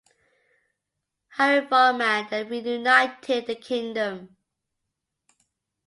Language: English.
Harivarman then reunited the kingdom.